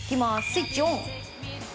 スイッチオン。